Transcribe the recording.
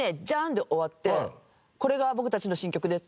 で終わってこれが僕たちの新曲です。